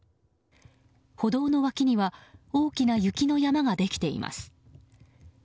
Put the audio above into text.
歩道の脇には大きな雪の山ができています。